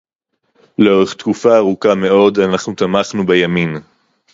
לאורך תקופה ארוכה מאוד אנחנו תמכנו בימין